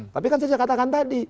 tapi kan saya katakan tadi